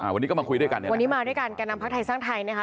วันนี้ก็มาคุยด้วยกันนะครับวันนี้มาด้วยกันแก่นำพักไทยสร้างไทยนะคะ